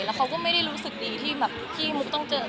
แล้วเขาก็ไม่ได้รู้สึกดีที่มุกต้องเจอก่อน